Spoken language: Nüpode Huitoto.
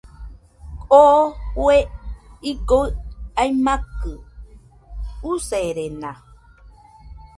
Oo jue igoɨ aimakɨ userena.